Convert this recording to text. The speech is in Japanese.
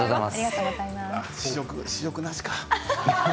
試食なしか。